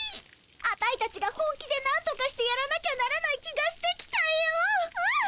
アタイたちが本気でなんとかしてやらなきゃならない気がしてきたようん。